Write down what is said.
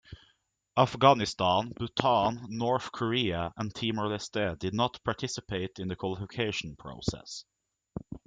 Afghanistan, Bhutan, North Korea and Timor-Leste did not participate in the qualification process.